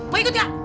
mau ikut gak